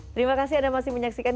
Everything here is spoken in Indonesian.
terima kasih anda masih menyaksikan